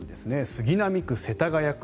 杉並区、世田谷区